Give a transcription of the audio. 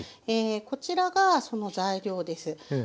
こちらがその材料です。